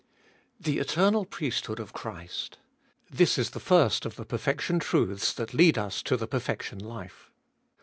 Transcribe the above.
2. The eternal priesthood of Christ : this Is the first of the perfection truths that lead us to the perfection life.